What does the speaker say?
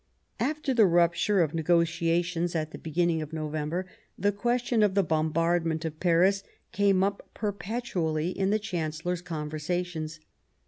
" After the rupture of negotiations at the beginning of November, the question of the bombardment of Paris came up perpetually in the Chancellor's con versations.